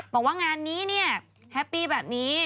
บอกว่างานนี้เนี่ยแฮปปี้แบบนี้